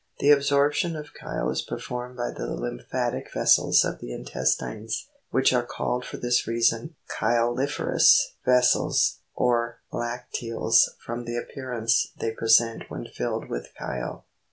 The absorption of chyle is performed by the lymphatic vessels of the intestines, which are called for this reason, cluj liferovs vessels, ( or lacteals, from the appearance they pre sent when filled with chyle.)